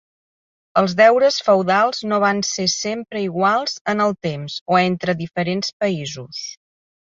Els Deures feudals no van ser sempre iguals en el temps o entre diferents països.